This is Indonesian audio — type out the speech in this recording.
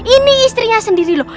ini istrinya sendiri loh